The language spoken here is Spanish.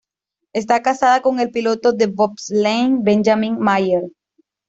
Está casada con el piloto de bobsleigh Benjamin Maier.